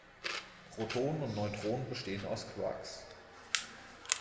Protonen und Neutronen bestehen aus Quarks.